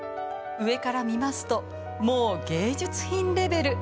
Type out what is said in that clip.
上から見ますともう芸術品レベル。